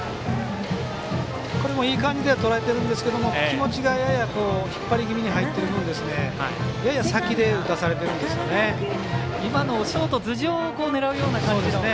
これもいい感じでとらえられてるんですけど気持ちがやや引っ張り気味に入ってる分やや先で打たされてるんですよね。